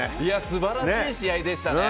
素晴らしい試合でしたね。